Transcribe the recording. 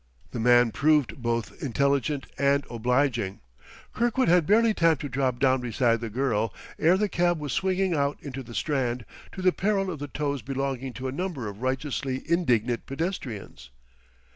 The man proved both intelligent and obliging; Kirkwood had barely time to drop down beside the girl, ere the cab was swinging out into the Strand, to the peril of the toes belonging to a number of righteously indignant pedestrians.